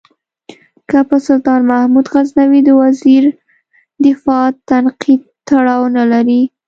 که په سلطان محمود غزنوي د وزیر دفاع تنقید تړاو نه لري.